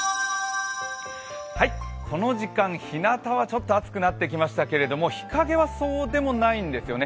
この時間、ひなたはちょっと暑くなってきましたけれども、日陰はそうでもないんですよね。